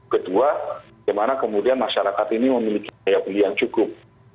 kedua kemudian masyarakat ini memiliki daya belian cukup